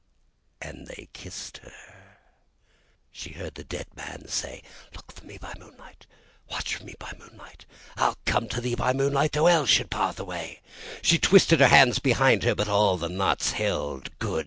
and they kissed her. She heard the dead man say, "Look for me by moonlight, Watch for me by moonlight, I'll come to thee by moonlight, though Hell should bar the way." She twisted her hands behind her, but all the knots held good!